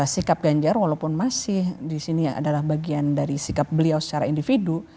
sikap ganjar walaupun masih di sini adalah bagian dari sikap beliau secara individu